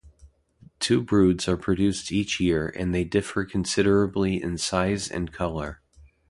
Two broods are produced each year and they differ considerably in size and colour.